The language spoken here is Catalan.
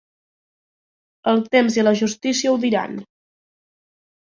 El temps i la justícia ho diran.